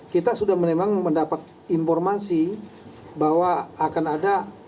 kita sudah memang mendapat informasi bahwa akan ada